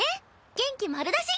元気丸出し！